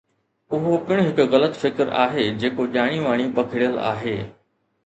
اهو پڻ هڪ غلط فڪر آهي جيڪو ڄاڻي واڻي پکڙيل آهي.